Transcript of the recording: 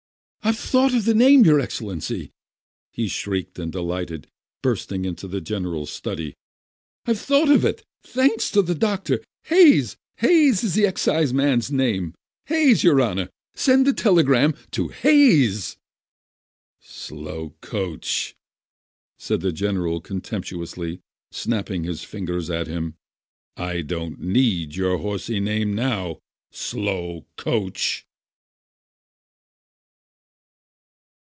"I've thought of the name, your Excellency!" he shrieked with delight, bursting into the general's study. "I've thought of it, thanks to the doctor. Hayes! Hayes is the exciseman's name ! Hayes, your Honour ! Send a telegram to Hayes !" "Slow coach!" said the general contemptuously, snapping his fingers at him. "I don't need your horsey name now ! Slow coach